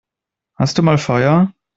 Hast du mal Feuer?